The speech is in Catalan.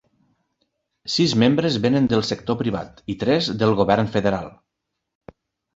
Sis membres venen del sector privat i tres del govern federal.